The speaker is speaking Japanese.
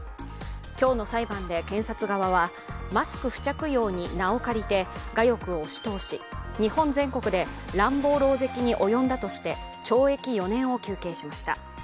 今日の裁判で検察側は、マスク不着用に名を借りて我欲を押し通し、日本全国で乱暴ろうぜきに及んだとして懲役４年を求刑しました。